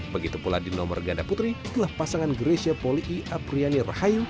begitu pula di nomor ganda putri telah pasangan grecia poli i apriani rahayu